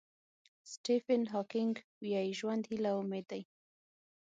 سټیفن هاکینګ وایي ژوند هیله او امید دی.